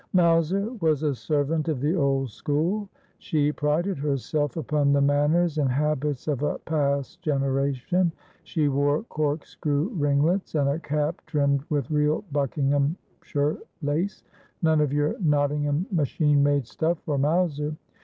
Mowser was a servant of the old school. She prided herself upon the manners and habits of a past generation. She wore corkscrew ringlets, and a cap trimmed with real Buckingham shire lace — none of your Nottingham machine made stufE for Mowser.